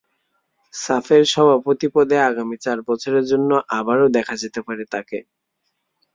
সাফের সভাপতি পদে আগামী চার বছরের জন্য আবারও দেখা যেতে পারে তাঁকে।